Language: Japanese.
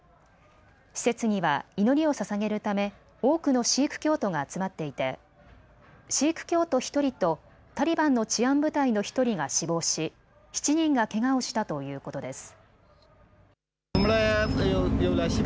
施設には祈りをささげるため多くのシーク教徒が集まっていてシーク教徒１人とタリバンの治安部隊の１人が死亡し７人がけがをしたということです。